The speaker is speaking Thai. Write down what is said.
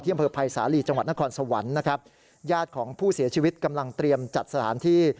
อำเภอภัยสาลีจังหวัดนครสวรรค์นะครับญาติของผู้เสียชีวิตกำลังเตรียมจัดสถานที่